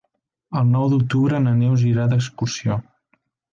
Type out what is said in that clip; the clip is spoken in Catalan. El nou d'octubre na Neus irà d'excursió.